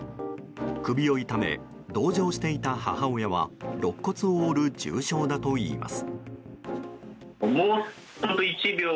首を痛め、同乗していた母親は肋骨を折る重傷だといいます。